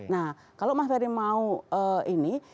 nah kalau mas ferry mau ini